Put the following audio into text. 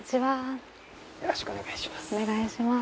よろしくお願いします。